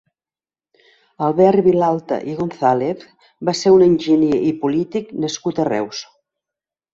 Albert Vilalta i González va ser un enginyer i polític nascut a Reus.